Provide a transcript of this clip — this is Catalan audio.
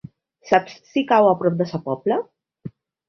Saps si cau a prop de Sa Pobla?